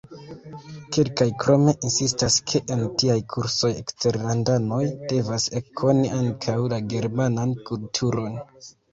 Kelkaj krome insistas, ke en tiaj kursoj eksterlandanoj devas ekkoni ankaŭ la germanan kulturon.